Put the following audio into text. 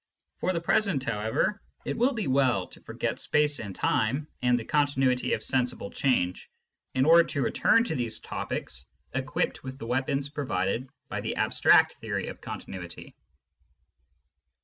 For the present, however, it will be well to forget space and time and the continuity of sensible change, in order to return to these topics equipped with the weapons provided by the abstract theory of continuity.